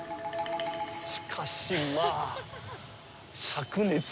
しかしまあ灼熱。